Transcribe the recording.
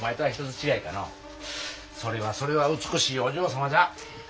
それはそれは美しいお嬢様じゃ。